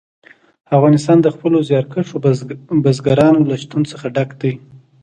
افغانستان د خپلو زیارکښو بزګانو له شتون څخه ډک دی.